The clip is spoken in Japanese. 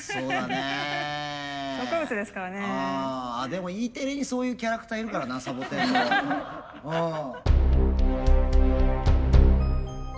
でもＥテレにそういうキャラクターいるからなサボテンのうん。